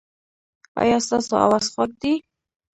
ایا ستاسو اواز خوږ دی؟